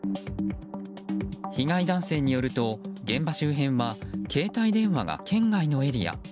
被害男性によると、現場周辺は携帯電話が圏外のエリア。